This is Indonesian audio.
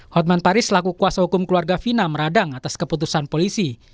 hotman paris selaku kuasa hukum keluarga fina meradang atas keputusan polisi